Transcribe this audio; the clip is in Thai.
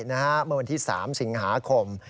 เมื่อวันที่๓สิงหาคม